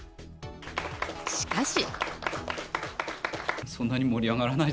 しかし。